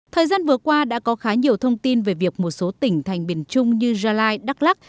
thời gian vừa qua đã có khá nhiều thông tin về việc một số tỉnh thành biển trung như gia lai đắk lắc